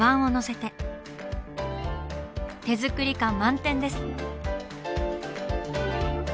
手作り感満点です。